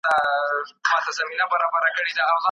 که ته همداسې بهر پاتې شې نو خامخا به ناروغه شې.